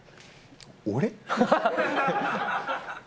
俺？